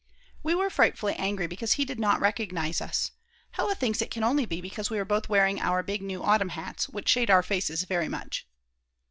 We were frightfully angry because he did not recognise us; Hella thinks it can only be because we were both wearing our big new autumn hats, which shade our faces very much.